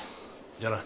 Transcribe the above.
じゃあな。